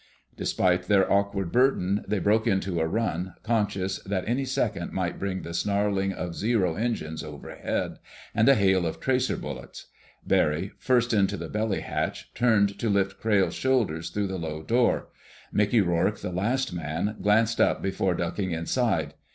Despite their awkward burden, they broke into a run, conscious that any second might bring the snarling of Zero engines overhead, and a hail of tracer bullets. Barry, first into the belly hatch, turned to lift Crayle's shoulders through the low door. Mickey Rourke, the last man, glanced up before ducking inside.